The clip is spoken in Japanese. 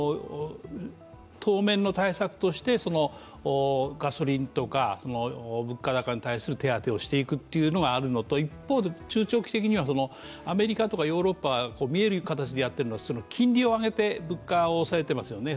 当面の対策としてガソリンとか物価高に対する手当てをするというのと一方で、中・長期的にはアメリカとかヨーロッパが見える形でやっているのは金利を上げて物価を抑えていますよね。